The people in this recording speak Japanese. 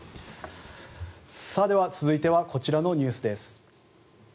では続いてはこちらのニュースです。